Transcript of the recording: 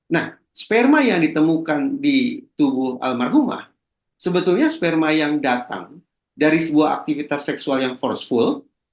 nah sperma yang ditemukan di tubuh almarhumah sebetulnya sperma yang datang dari sebuah aktivitas seksual yang firstful